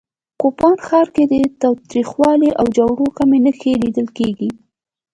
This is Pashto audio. کوپان ښار کې د تاوتریخوالي او جګړو کمې نښې لیدل کېږي